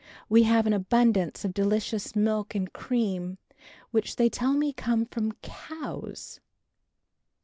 We have an abundance of delicious milk and cream which they tell me comes from "Cowes"!